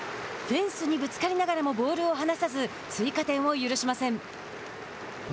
フェンスにぶつかりながらもボールを離さず追加点を許しません。